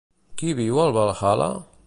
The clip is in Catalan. Qui viu al Valhalla?